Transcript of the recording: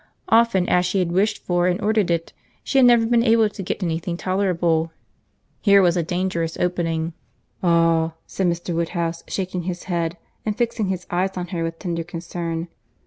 Often as she had wished for and ordered it, she had never been able to get any thing tolerable. Here was a dangerous opening. "Ah!" said Mr. Woodhouse, shaking his head and fixing his eyes on her with tender concern.